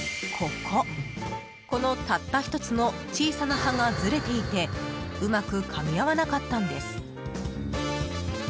この、たった１つの小さな歯がずれていてうまくかみ合わなかったんです。